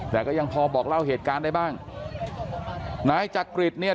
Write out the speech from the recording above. แต่ก็ยังพอบอกเล่าเหตุการณ์ได้บ้างนายจักริตเนี่ย